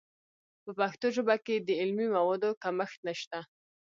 په پښتو ژبه کې د علمي موادو کمښت نشته.